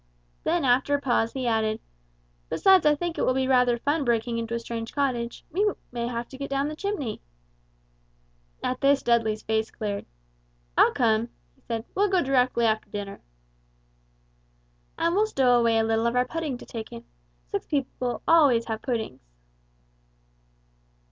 Then after a pause he added, "Besides I think it will be rather fun breaking into a strange cottage; we may have to get down the chimney." At this Dudley's face cleared. "I'll come," he said; "we'll go directly after dinner." "And we'll stow away a little of our pudding to take him sick people always have puddings."